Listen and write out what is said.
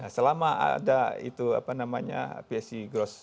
selama ada itu apa namanya psg gross